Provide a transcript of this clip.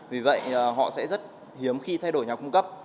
vì vậy họ sẽ rất hiếm khi thay đổi nhà cung cấp